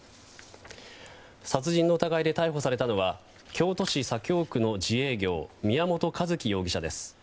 殺人の疑いで逮捕されたのは京都市左京区の自営業宮本一希容疑者です。